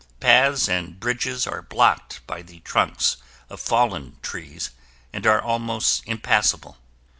Paths and bridges are blocked by the trunks of fallen trees and are almost impassable.